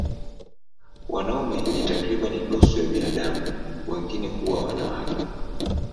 Wanaume ni takriban nusu ya binadamu, wengine huwa wanawake.